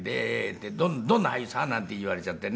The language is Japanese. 「どんな俳優さん？」なんて言われちゃってね。